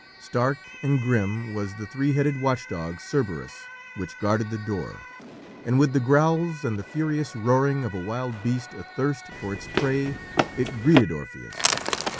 Stark and grim was the three headed watchdog, Cerberus, which guarded the door, and with the growls and the furious roaring of a wild beast athirst for its prey it greeted Orpheus.